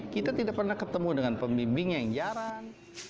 kita tidak pernah ketemu dengan pembimbing yang jarang